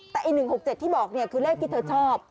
แต่๑๖๗ที่บอกคือเลขที่เธอชอบ